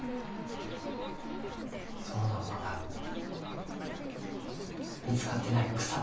その名をまだ見つかってない草花